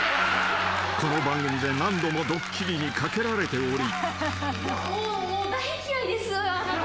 ［この番組で何度もドッキリにかけられており］